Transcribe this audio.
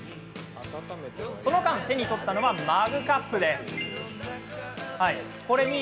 その間に手に取ったのはマグカップですね。